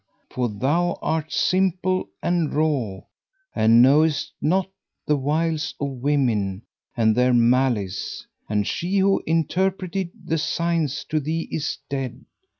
for thou art simple and raw and knowest not the wiles of women and their malice, and she who interpreted the signs to thee is dead.